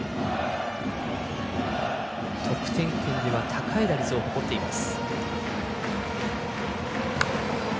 得点圏では高い打率を誇っています。